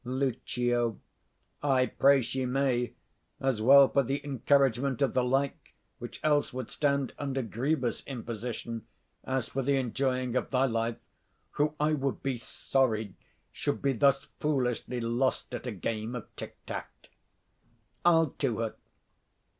Lucio. I pray she may; as well for the encouragement 180 of the like, which else would stand under grievous imposition, as for the enjoying of thy life, who I would be sorry should be thus foolishly lost at a game of tick tack. I'll to her.